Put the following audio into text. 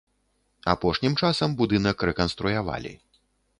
Апошнім часам будынак рэканструявалі.